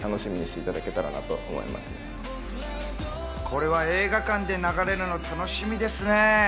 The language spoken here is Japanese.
これは映画館で流れるの楽しみですねぇ。